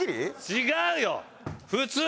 違うよ！